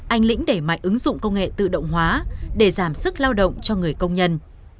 anh lĩnh đẩy mạnh ứng dụng công nghệ tự động hóa để giảm sức lao động cho người công nhân